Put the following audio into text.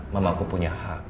mamaku punya hak